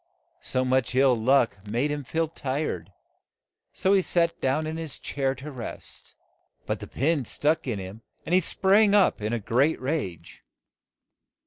So much ill luck made him feel tired, so he sat down in his chair to rest, but the pin stuck in him and he sprang up in a great rage.